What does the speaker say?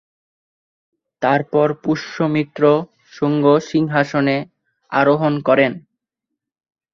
তারপর পুষ্যমিত্র শুঙ্গ সিংহাসনে আরোহণ করেন।